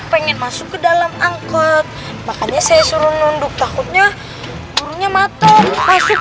pengen masuk ke dalam angkot makanya saya suruh nunduk takutnya mulutnya matok masuk